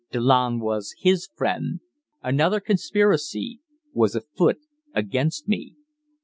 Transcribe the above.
Delanne was his friend! Another conspiracy was afoot against me!